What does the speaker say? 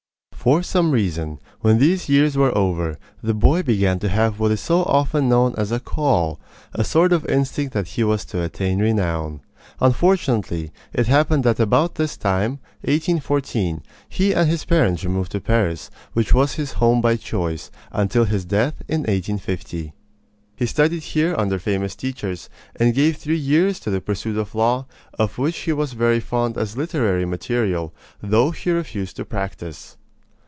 For some reason, when these years were over, the boy began to have what is so often known as "a call" a sort of instinct that he was to attain renown. Unfortunately it happened that about this time (1814) he and his parents removed to Paris, which was his home by choice, until his death in 1850. He studied here under famous teachers, and gave three years to the pursuit of law, of which he was very fond as literary material, though he refused to practise.